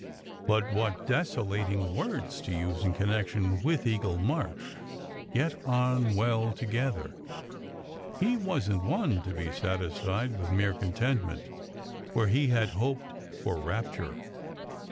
But what desolating words to use in connection with Eagle March "get on well together!" He wasn t one to be satisfied with mere con tentment, where he had hoped for rapture.